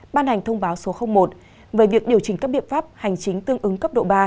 ban hành thông báo số một về việc điều chỉnh các biện pháp hành chính tương ứng cấp độ ba